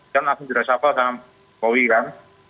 kan langsung diresafel sama pak jokowi kan